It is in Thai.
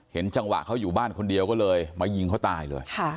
จังหวะเขาอยู่บ้านคนเดียวก็เลยมายิงเขาตายเลย